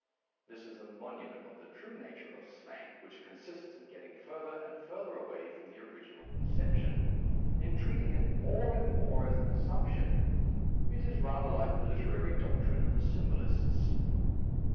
This is a monument of the true nature of slang, which consists in getting further and further away from the [6i] A Defence of Slang original conception, in treating it more and more as an assumption. It is rather like the literary doctrine of the Symbolists.